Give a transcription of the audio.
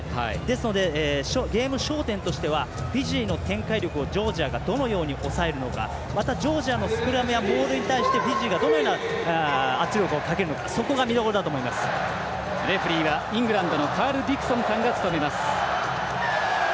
ですので、ゲーム展開としてはフィジーの攻撃力をどのように抑えるのかジョージアのスクラムやモールに対してどう圧力をかけるのかがレフリーはイングランドのカール・ディクソンさんが務めます。